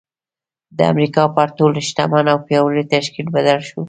د امريکا پر تر ټولو شتمن او پياوړي تشکيل بدل شو.